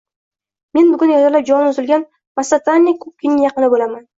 Men bugun ertalab joni uzilgan Masatane Kukining yaqini bo`laman